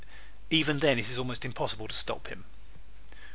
Even then it is almost impossible to stop him.